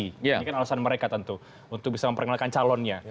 ini kan alasan mereka tentu untuk bisa memperkenalkan calonnya